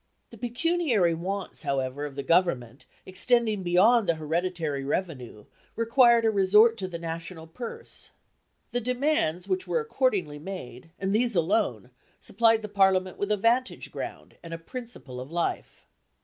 The pecuniary wants, however, of the Government, extending beyond the hereditary revenue, required a resort to the national purse. The demands which were accordingly made, and these alone, supplied the Parliament with a vantage ground, and a principle of life.